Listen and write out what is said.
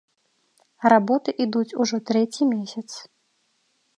Работы ідуць ужо трэці месяц.